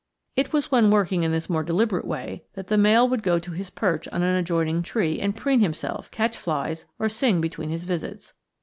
It was when working in this more deliberate way that the male would go to his perch on an adjoining tree and preen himself, catch flies, or sing between his visits.